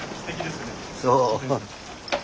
そう？